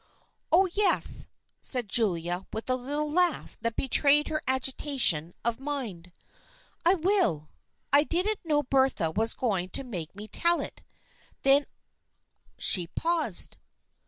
" Oh, yes," said Julia, with a little laugh that betrayed her agitation of mind. " I will. I didn't know Bertha was going to make me tell it." Then she paused.